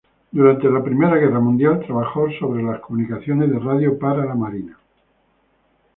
Durante la Primera Guerra Mundial trabajó sobre las comunicaciones de radio para la Marina.